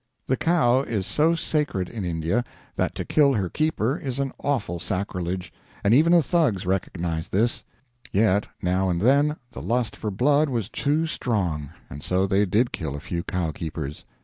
The cow is so sacred in India that to kill her keeper is an awful sacrilege, and even the Thugs recognized this; yet now and then the lust for blood was too strong, and so they did kill a few cow keepers.